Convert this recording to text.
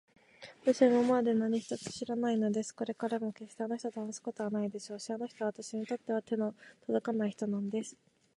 わたしは今でも何一つ知らないのです。これからもけっしてあの人と話すことはないでしょうし、あの人はわたしにとっては手のとどかない人なんです。